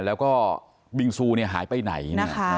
แล้วก็บิงซูหายไปไหน